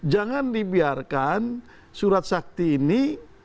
jangan dibiarkan surat sakti ini